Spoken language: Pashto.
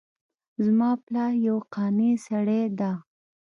زما پلار یو قانع سړی ده